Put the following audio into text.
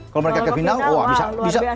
kalau mereka ke final wah luar biasa